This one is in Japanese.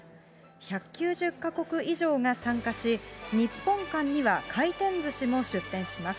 １９０か国以上が参加し、日本館には回転ずしも出展します。